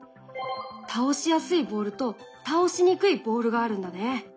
倒しやすいボールと倒しにくいボールがあるんだね。